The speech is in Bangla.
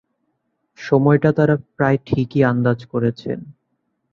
সময়টা তারা প্রায় ঠিকই আন্দাজ করেছেন।